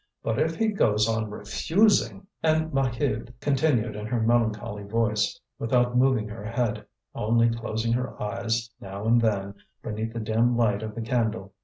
But if he goes on refusing " And Maheude continued in her melancholy voice, without moving her head, only closing her eyes now and then beneath the dim light of the candle.